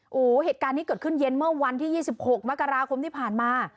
โอ้โหเหตุการณ์นี้เกิดขึ้นเย็นเมื่อวันที่๒๖มกราคมที่ผ่านมา